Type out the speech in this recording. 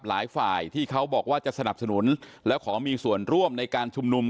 หลายฝ่ายที่เขาบอกว่าจะสนับสนุนและขอมีส่วนร่วมในการชุมนุม